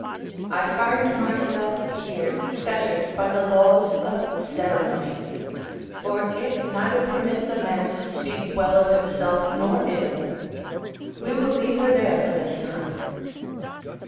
I find myself here fettered by the laws of ceremony; for it neither permits a man to speak well of himself, nor ill: we will leave her there for this time.